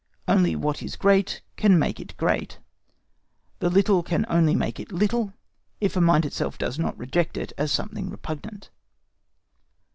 Only what is great can make it great; the little can only make it little, if the mind itself does not reject it as something repugnant.